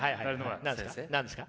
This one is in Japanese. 何ですか？